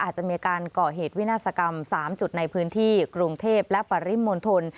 อาจจะมีการก่อเหตุวินาศกรรม๓จุดในพื้นที่กรุงเทพและปริมณฑล